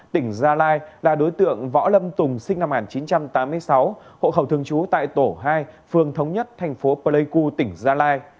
tỉnh gia lai là đối tượng võ lâm tùng sinh năm một nghìn chín trăm tám mươi sáu hộ khẩu thường trú tại tổ hai phường thống nhất thành phố pleiku tỉnh gia lai